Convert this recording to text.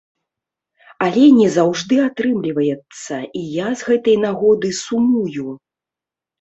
Але не заўжды атрымліваецца, і я з гэтай нагоды сумую.